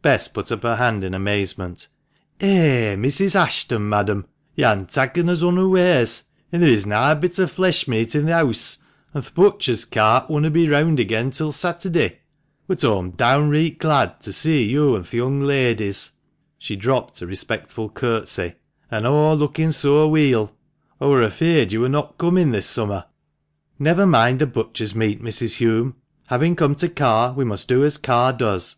Bess put up her hand in amazement. " Eh, Mrs. Ashton, madam ! Yo' han takken us unawares ! An' theer is na a bit o' flesh meat i' th' heause, an' th' butcher's cart wunna be reawnd agen till Setterday ! But awn downreet glad to see yo' an' th' young ladies (she dropped a respectful curtsey) an' a' lookin' so weel. Aw wur afeard yo' wur no' comin' this summer." " Never mind the butcher's meat, Mrs. Hulme ; having come to Carr, we must do as Carr does.